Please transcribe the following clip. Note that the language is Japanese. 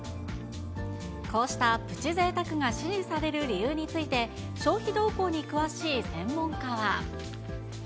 こうしたプチぜいたくが支持される理由について、消費動向に詳しい専門家は。